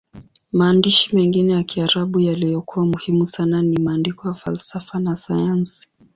Maandishi mengine ya Kiarabu yaliyokuwa muhimu sana ni maandiko ya falsafa na sayansi.